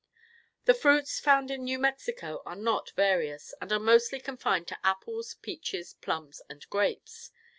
The fruits found in New Mexico are not various, and are mostly confined to apples, peaches, plums and grapes.